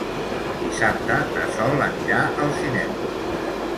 Dissabte na Sol anirà al cinema.